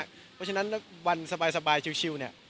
เพราะฉะนั้นวันสบายชิวเนี่ย